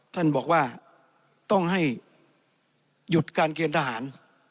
ท่านบอกว่าต้องให้หยุดการเกณฑ์ทหาร